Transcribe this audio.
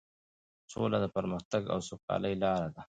سوله د پرمختګ او سوکالۍ لاره ده.